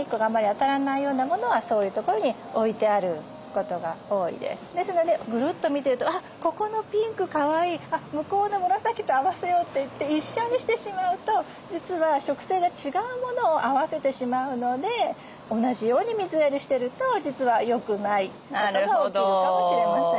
それはやっぱり日陰ですのでぐるっと見てると「あっここのピンクかわいい」「向こうの紫と合わせよう」といって一緒にしてしまうと実は植生が違うものを合わせてしまうので同じように水やりしてると実はよくないってことが起きるかもしれません。